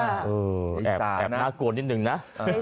แอบน่ากลัวนิดนึงนะ